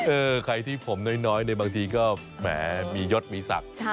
เออใครที่ผมน้อยในบางทีก็แหมมียศมีศักดิ์